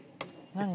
何？